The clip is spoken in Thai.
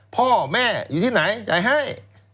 พ่อแม่อยู่ที่ไหนจะให้